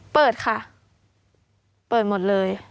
เปิดค่ะเปิดหมดเลย